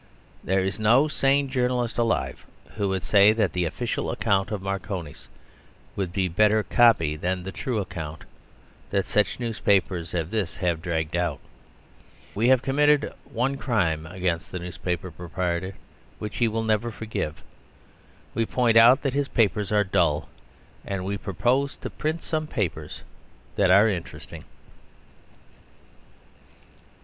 There is no sane journalist alive who would say that the official account of Marconis would be better "copy" than the true account that such papers as this have dragged out. We have committed one crime against the newspaper proprietor which he will never forgive. We point out that his papers are dull. And we propose to print some papers that are interesting.